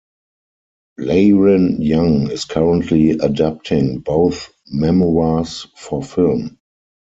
Leiren-Young is currently adapting both memoirs for film.